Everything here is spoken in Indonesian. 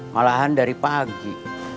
malahan dari pagi